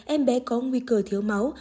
em bé có nguy cơ thiếu máu